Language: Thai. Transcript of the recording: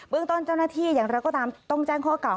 เรื่องต้นเจ้าหน้าที่อย่างเราก็ตามต้องแจ้งข้อเก่า